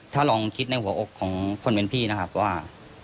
ถ้าลองคิดในหัวอกของคนเป็นพี่นะครับว่า